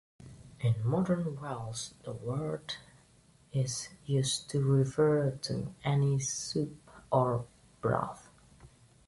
In modern Welsh the word is used to refer to any soup or broth.